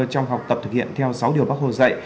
trong học tập thực hiện theo sáu điều bác hồ dạy